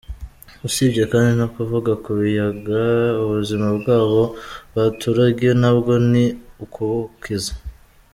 usibye kandi no kuvuga ku biyaga, ubuzima bw’abo baturage nabwo ni ukubukiza.